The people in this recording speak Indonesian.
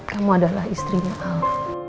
kamu adalah istrinya al